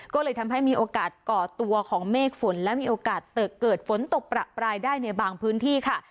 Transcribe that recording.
ก็เลยทำให้มีโอกาสก่อตัวของเมฆฝนและมีโอกาสเกิดฝนตกประปรายได้ในบางพื้นที่ค่ะ